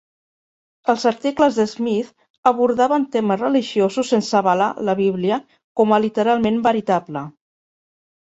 Els articles de Smith abordaven temes religiosos sense avalar la Bíblia com a literalment veritable.